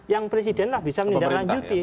yang presiden lah bisa menindaklanjuti